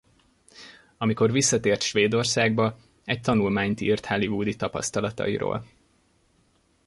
Amikor visszatért Svédországba egy tanulmányt írt hollywoodi tapasztalatairól.